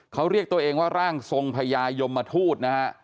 เขาเรียกตัวเองว่าร่างทรงพญายมทูตนะฮะ